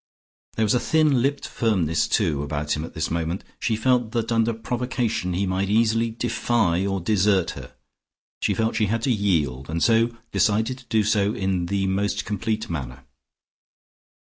There was a thin lipped firmness, too, about him at this moment: she felt that under provocation he might easily defy or desert her. She felt she had to yield, and so decided to do so in the most complete manner.